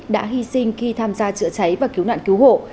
đã hy sinh khi tham gia chữa cháy và cứu nạn cứu hộ